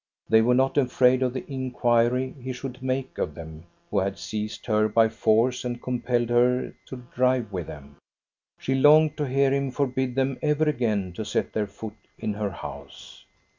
They were not afraid of the inquiry he should make of them, who had seized her by force and compelled her to drive with them. She longed to hear him forbid them ever again to set their foot in her house.